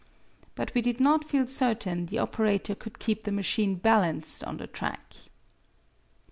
But we did not feel certain the operator could keep the machine balanced on the track.